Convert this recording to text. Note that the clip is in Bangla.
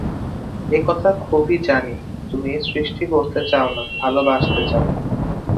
এ কথা খুবই জানি, তুমি সৃষ্টি করতে চাও না, ভালোবাসতে চাও।